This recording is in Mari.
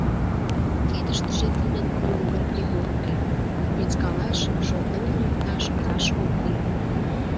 Кидыштыже тудын нимогай прибор уке, вискалаш, шотлен лукташ раш ок лий.